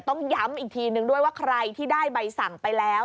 ต้องย้ำอีกทีนึงด้วยว่าใครที่ได้ใบสั่งไปแล้ว